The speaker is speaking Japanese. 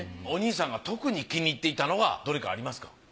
お兄さんが特に気に入っていたのがどれかありますか？